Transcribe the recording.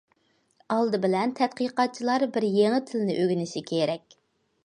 ئالدى بىلەن، تەتقىقاتچىلار بىر يېڭى تىلنى ئۆگىنىشى كېرەك.